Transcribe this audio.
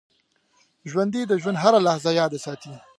ژوندي د ژوند هره لحظه یاد ساتي